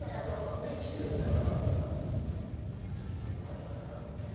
麺切ってください。